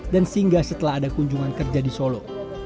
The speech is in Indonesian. dan singgah setelah ada kunjungan kerja di solo